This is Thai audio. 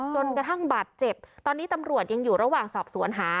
จนกระทั่งบาดเจ็บตอนนี้ตำรวจยังอยู่ระหว่างสอบสวนหา